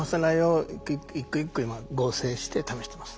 一個一個今合成して試してます。